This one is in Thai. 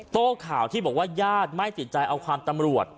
โต้ข่าวที่บอกว่าญาติไม่ติดใจเอาความตำรวจ